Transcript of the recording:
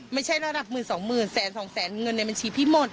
ไม่ใช่ระดับหมื่นสองหมื่นแสนสองแสนเงินในบัญชีพี่หมด